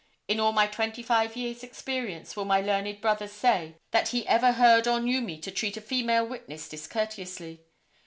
In all my twenty five years experience will my learned brother say that he ever heard or knew me to treat a female witness discourteously.